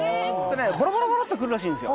ボロボロっと来るらしいんです。